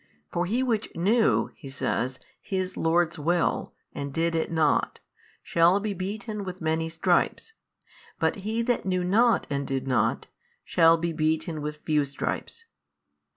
For he which knew, (He says) his Lord's will and did it not, shall be beaten with many stripes, but he that knew not and did not, shall be beaten with few stripes.